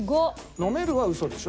「飲める」はウソでしょ？